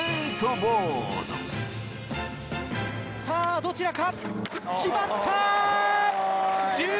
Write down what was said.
さあどちらか？